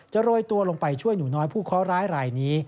โรยตัวลงไปช่วยหนูน้อยผู้เคาะร้ายรายนี้